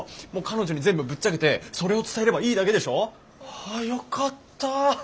もう彼女に全部ぶっちゃけてそれを伝えればいいだけでしょ？あよかった。